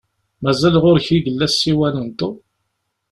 Mazal ɣur-k i yella ssiwan n Tom?